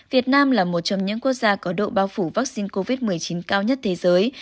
việt nam là một trong những quốc gia có độ bao phủ vaccine covid một mươi chín cao nhất thế giới